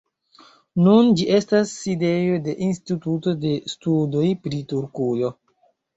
Nun ĝi estas sidejo de instituto de studoj pri Turkujo.